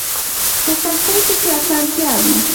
په سختۍ پسې اسانتيا وي